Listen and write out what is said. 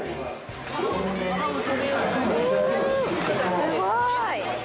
すごい！